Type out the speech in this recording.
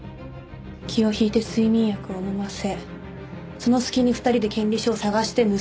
気を引いて睡眠薬を飲ませその隙に２人で権利書を捜して盗む。